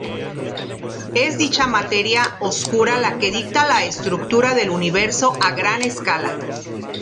Es dicha materia oscura la que dicta la estructura del universo a gran escala.